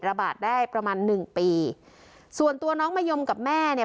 ระบาดได้ประมาณหนึ่งปีส่วนตัวน้องมะยมกับแม่เนี่ย